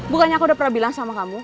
bukannya aku udah pernah bilang sama kamu